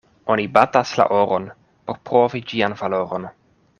Oni batas la oron, por provi ĝian valoron.